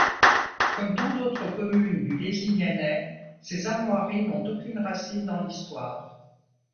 Comme tant d'autres communes du Lézignanais, ces armoiries n'ont aucune racine dans l'histoire.